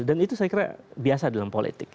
dan itu saya kira biasa dalam politik